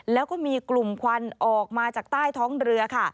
แล้วก็มีกลุ่มควันออกมาจากใต้ท้องเรือค่ะ